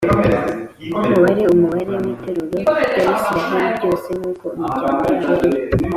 Mubare umubare w’iteraniro ry’Abisirayeli ryose nk’uko imiryango yabo iri